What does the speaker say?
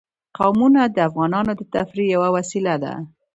قومونه د افغانانو د تفریح یوه وسیله ده.